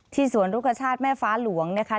ที่สวนลูกคชาติแม่ฟ้าหลวงนะคะ